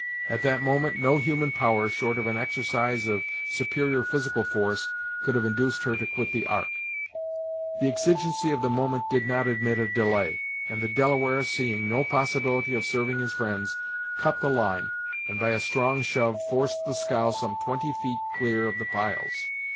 At that moment no human power, short of an exercise of superior physical force, could have induced her to quit the Ark. The exigency of the moment did not admit of delay, and the Delaware seeing no possibility of serving his friends, cut the line and by a strong shove forced the scow some twenty feet clear of the piles.